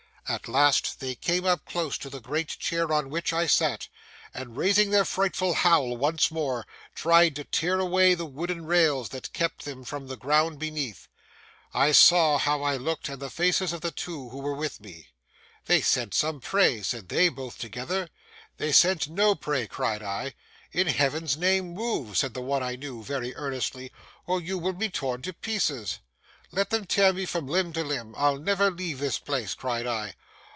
At last they came up close to the great chair on which I sat, and raising their frightful howl once more, tried to tear away the wooden rails that kept them from the ground beneath. I saw how I looked, in the faces of the two who were with me. 'They scent some prey,' said they, both together. 'They scent no prey!' cried I. 'In Heaven's name, move!' said the one I knew, very earnestly, 'or you will be torn to pieces.' 'Let them tear me from limb to limb, I'll never leave this place!' cried I.